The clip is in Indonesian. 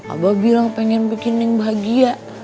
abah bilang pengen bikin yang bahagia